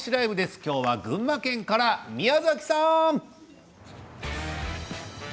今日は群馬県から宮崎さん！